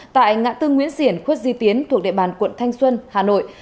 tại ngã tư nguyễn xiển khuất duy tiến thuộc địa bàn quận thanh xuân hà nội